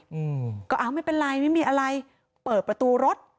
อืมก็อ้าวไม่เป็นไรไม่มีอะไรเปิดประตูรถ